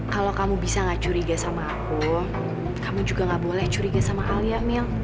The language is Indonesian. kalau kamu bisa gak curiga sama aku kamu juga gak boleh curiga sama alia mil